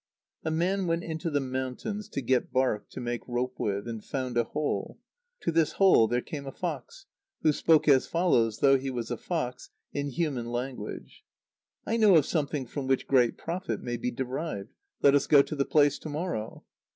_ A man went into the mountains to get bark to make rope with, and found a hole. To this hole there came a fox, who spoke as follows, though he was a fox, in human language: "I know of something from which great profit may be derived. Let us go to the place to morrow!"